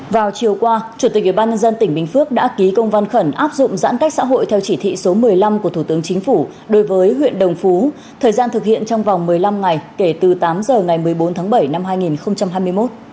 vào chiều qua chủ tịch ủy ban nhân dân tỉnh bình phước đã ký công văn khẩn áp dụng giãn cách xã hội theo chỉ thị số một mươi năm của thủ tướng chính phủ đối với huyện đồng phú thời gian thực hiện trong vòng một mươi năm ngày kể từ tám giờ ngày một mươi bốn tháng bảy năm hai nghìn hai mươi một